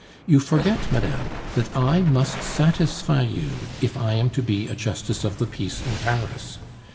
You forget, madame, that I must satisfy you if I am to be a justice of the peace in Paris.